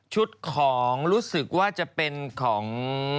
ของรู้สึกว่าจะเป็นของ